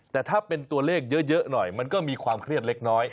แต่ถ้าเป็นตัวเลขเยอะหน่อยมันก็มีความเครียดเล็กน้อย